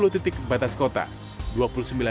sepuluh titik batas kota